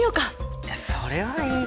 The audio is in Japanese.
いやそれはいいかなあ。